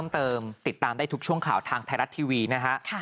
ติดตามได้ทุกช่วงข่าวทางไทยรัฐทีวีนะฮะ